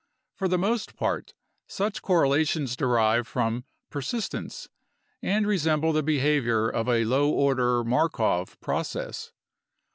For the most part such correlations derive from "per sistence" and resemble the behavior of a low order Markov process.